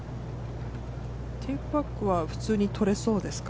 テイクバックは普通にとれそうですか？